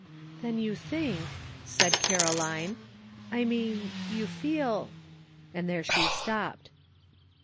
"Then you think," said Caroline, "I mean you feel" — and there she stopped.